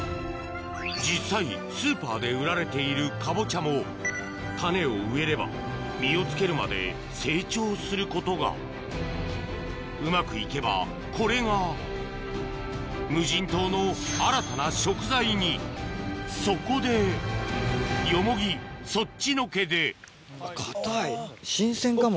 実際スーパーで売られているカボチャも種を植えれば実をつけるまで成長することがうまく行けばこれが無人島のそこでヨモギそっちのけで硬い新鮮かも。